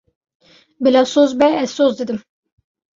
Bila soz be, ez soz didim.